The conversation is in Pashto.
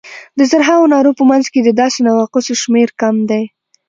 د زرهاوو نارو په منځ کې د داسې نواقصو شمېر کم دی.